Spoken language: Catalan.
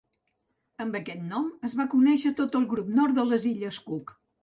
Amb aquest nom es va conèixer tot el grup nord de les illes Cook.